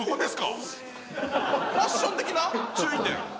お前ファッション的な注意点？